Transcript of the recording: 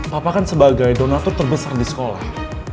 papa kan sebagai donatur terbesar di sekolah